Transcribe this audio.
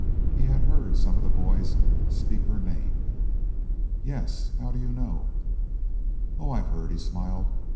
He had heard some of the boys speak her name. "Yes. How do you know?" "Oh, I've heard," he smiled.